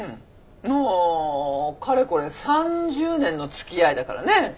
もうかれこれ３０年の付き合いだからね。